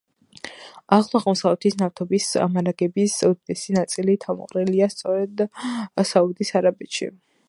ახლო აღმოსავლეთის ნავთობის მარაგების უდიდესი ნაწილი თავმოყრილია სწორედ საუდის არაბეთში.